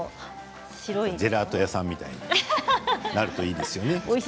ジェラート屋さんみたいになるといいですね。